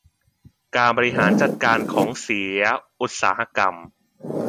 การบริหารจัดการของเสียอุตสาหกรรม